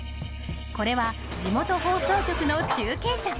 これは地元放送局の中継車。